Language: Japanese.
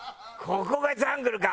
ここがジャングルか。